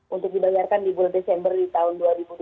untuk dibayarkan di bulan desember di tahun dua ribu dua puluh